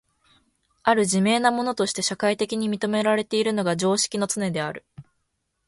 或る自明なものとして社会的に認められているのが常識のつねである。